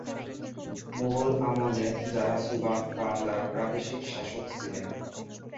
মুঘল আমলে যারা সুবাহ বাংলার প্রাদেশিক শাসক ছিলেন।